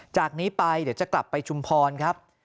จากนี้ไปเดี๋ยวจะกลับไปชุมพรครับ